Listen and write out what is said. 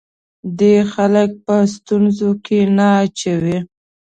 دی خلک په ستونزو کې نه اچوي.